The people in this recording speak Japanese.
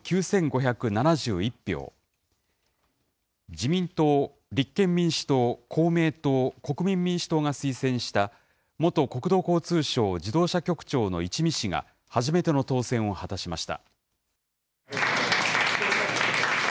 自民党、立憲民主党、公明党、国民民主党が推薦した、元国土交通省自動車局長の一見氏が、初めての当選を果たしました。